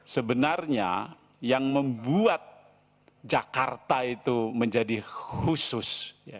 sebenarnya yang membuat jakarta itu menjadi khusus